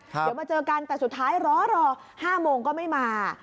เดี๋ยวมาเจอกันแต่สุดท้ายรอ๕โมงก็ไม่มา